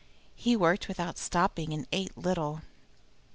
He worked without stopping, and ate little.